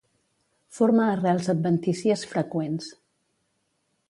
Forma arrels adventícies freqüents.